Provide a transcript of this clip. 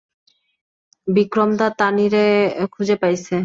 বিক্রমদা তানিরে খুঁজে পাইসে।